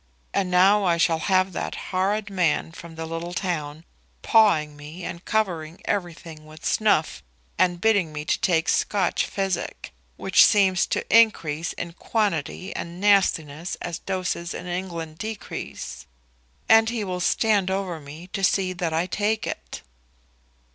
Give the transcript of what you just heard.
And now I shall have that horrid man from the little town pawing me and covering everything with snuff, and bidding me take Scotch physic, which seems to increase in quantity and nastiness as doses in England decrease. And he will stand over me to see that I take it."